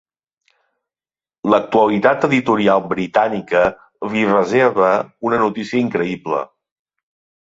L'actualitat editorial britànica li reserva una notícia increïble.